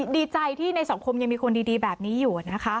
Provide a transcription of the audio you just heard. ดีใจที่ในสังคมยังมีคนดีแบบนี้อยู่นะคะ